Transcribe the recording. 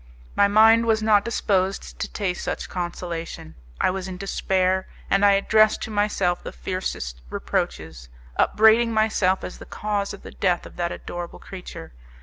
My mind was not disposed to taste such consolation; I was in despair, and I addressed to myself the fiercest reproaches, upbraiding myself as the cause of the death of that adorable creature.